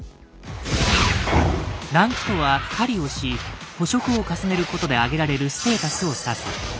「ランク」とは狩りをし捕食を重ねることで上げられるステータスを指す。